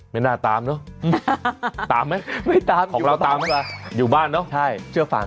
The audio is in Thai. ไม่น่าตามเนาะตามมั้ยของเราตามมั้ยอยู่บ้านเนาะใช่เชื่อฟัง